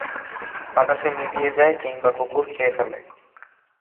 বাতাসে মিলিয়ে যায় কিংবা কুকুর খেয়ে ফেলে।